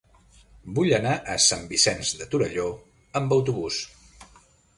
Vull anar a Sant Vicenç de Torelló amb autobús.